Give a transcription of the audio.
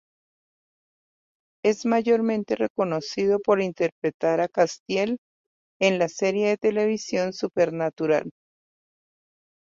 Es mayormente reconocido por interpretar a Castiel en la serie de televisión "Supernatural".